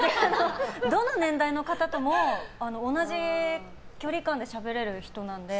どの年代の方とも同じ距離感でしゃべれる人なので。